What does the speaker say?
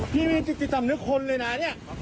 ทีมีจิตจัดทันมนุษย์คนเลยนะ